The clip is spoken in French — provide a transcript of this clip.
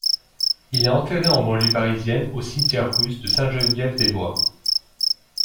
Il est enterré en banlieue parisienne au cimetière russe de Sainte-Geneviève-des-Bois.